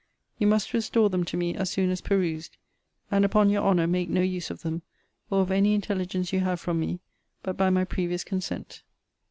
* You must restore them to me as soon as perused; and upon your honour make no use of them, or of any intelligence you have from me, but by my previous consent.